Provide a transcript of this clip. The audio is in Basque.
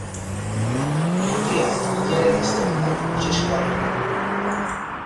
Neurria eta argiaren azterketa funtsezkoa dugu.